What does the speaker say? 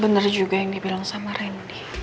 benar juga yang dibilang sama randy